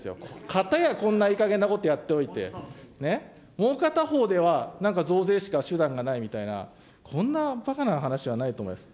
片やこんないい加減なことをやっておいて、もう片方ではなんか増税しか手段がないみたいな、こんなばかな話はないと思います。